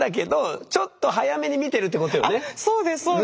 だからそうですそうです。